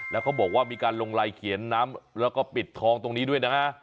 แล้วเขาบอกว่ามีการลงลายเขียนน้ำแล้วก็ปิดทองตรงนี้ด้วยนะ